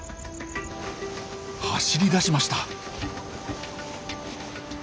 走り出しました。